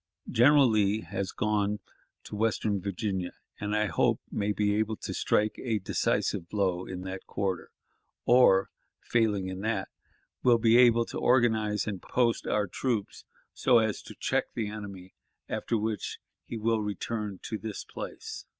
General Lee has gone to western Virginia, and I hope may be able to strike a decisive blow in that quarter, or, failing in that, will be able to organize and post our troops so as to check the enemy, after which he will return to this place.